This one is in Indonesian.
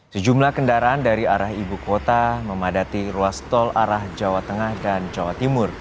sejumlah kendaraan dari arah ibu kota memadati ruas tol arah jawa tengah dan jawa timur